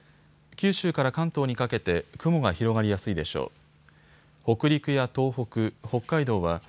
九州から関東にかけて雲が広がりやすいでしょう。